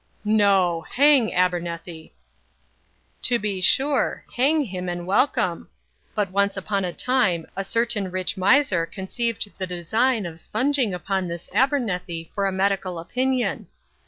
"No; hang Abernethy!" "To be sure! hang him and welcome. But, once upon a time, a certain rich miser conceived the design of spunging upon this Abernethy for a medical opinion.